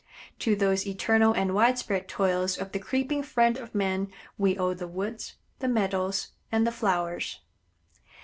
To those eternal and widespread toils of the creeping friend of men we owe the woods, the meadows, and the flowers.